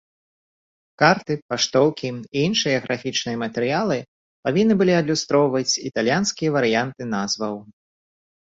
Карты, паштоўкі і іншыя графічныя матэрыялы павінны былі адлюстроўваць італьянскія варыянты назваў.